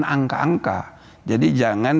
angka angka jadi jangan